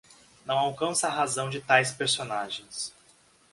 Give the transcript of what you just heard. Não alcanço a razão de tais personagens.